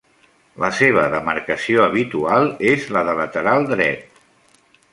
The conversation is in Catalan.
La seva demarcació habitual és la de lateral dret.